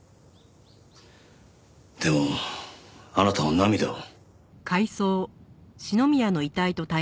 でもあなたは涙を。